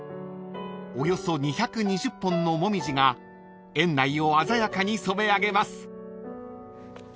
［およそ２２０本のモミジが園内を鮮やかに染めあげます］